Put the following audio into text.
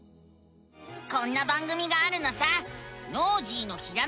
こんな番組があるのさ！